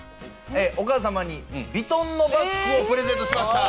お母様にヴィトンのバッグをプレゼントしました！